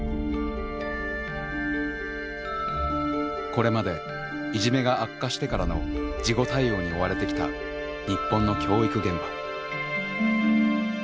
これまでいじめが悪化してからの事後対応に追われてきた日本の教育現場。